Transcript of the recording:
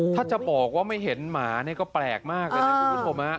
ถ้าจะบอกไม่เห็นหมาก็แปลกมากจนก็พูดผม